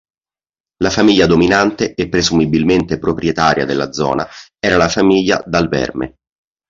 La famiglia dominante e presumibilmente "proprietaria" della zona era la famiglia Dal Verme.